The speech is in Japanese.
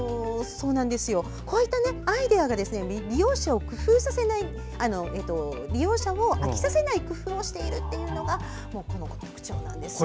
こういったアイデアが利用者を飽きさせない工夫をしているというのがここの特徴なんですよね。